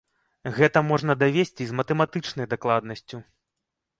Гэта можна давесці з матэматычнай дакладнасцю.